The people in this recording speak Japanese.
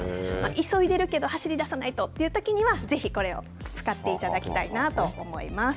急いでるけど走りださないとというときには、ぜひこれを使っていただきたいなと思います。